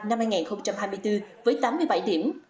năm hai nghìn hai mươi bốn với tám mươi bảy điểm